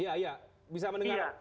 iya iya bisa mendengar